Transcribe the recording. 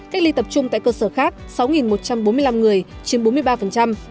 cách ly tập trung tại cơ sở khác sáu một trăm bốn mươi năm người chiếm bốn mươi ba